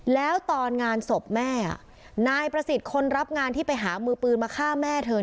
แล้วตอนงานศพแม่นายประสิทธิ์คนรับงานที่ไปหามือปืนมาฆ่าแม่เธอ